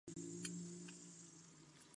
Municipio de Cedillo de la Torre.